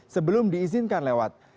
sebelum diizinkan lewat